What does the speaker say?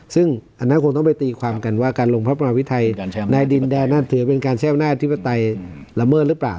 ซึ่งอันนั้นคงต้องไปตีความกันว่าการลงพระประวิทัยในดินแดนนั้นถือเป็นการใช้อำนาจอธิปไตยละเมิดหรือเปล่า